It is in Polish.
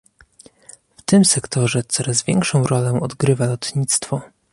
W tym sektorze coraz większą rolę odgrywa lotnictwo